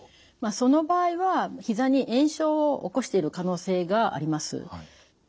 その場合はひざに炎症を起こしている可能性があります。